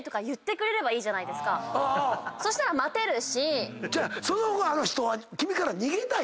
そしたら待てるし。